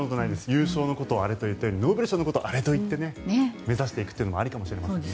優勝のことをアレと言ってノーベル賞のこともアレと言って目指していくというのもありかもしれませんね。